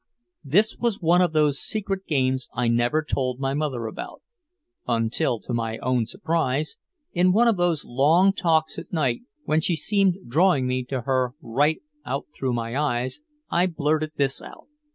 This was one of those secret games I never told my mother about until, to my own surprise, in one of those long talks at night when she seemed drawing me to her right out through my eyes, I blurted this out.